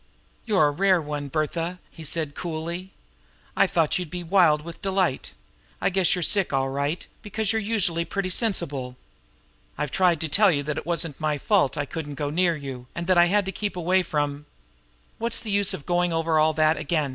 "You're a rare one, Bertha!" he said coolly. "I thought you'd be wild with delight. I guess you're sick, all right because usually you're pretty sensible. I've tried to tell you that it wasn't my fault I couldn't go near you, and that I had to keep away from " "What's the use of going over all that again?"